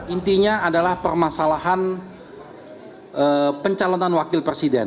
intinya adalah permasalahan pencalonan wakil presiden